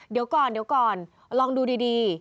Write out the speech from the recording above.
เดี๋ยวก่อนเดี๋ยวก่อนลองดูดี